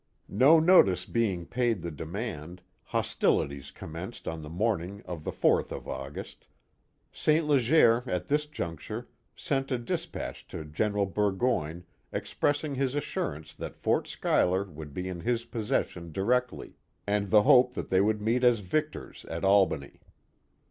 No notice being paid the demand, hostilities commenced on the morning of the 4th of August. St. Leger at this juncture sent a despatch to General Burgoyne expressing his assurance that Fort Schuyler would be in his possession directly, and the hope that they would meet as victors at Albany.